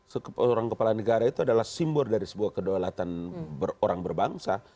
seorang kepala negara itu adalah simbol dari sebuah kedaulatan orang berbangsa